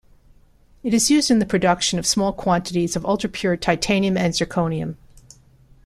It is used in the production of small quantities of ultra-pure titanium and zirconium.